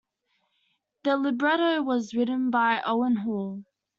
The libretto was written by Owen Hall.